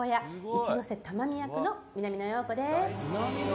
一ノ瀬珠美役の南野陽子です。